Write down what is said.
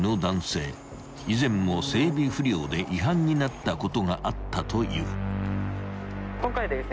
［以前も整備不良で違反になったことがあったという］